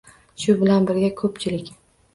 Shu bilan birga, ko‘pchilik